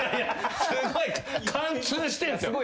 すごい貫通してんすよ。